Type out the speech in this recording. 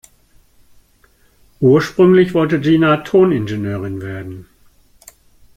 Ursprünglich wollte Gina Toningenieurin werden.